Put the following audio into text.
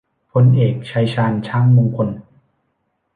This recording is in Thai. พลเอก ชัยชาญ ช้างมงคล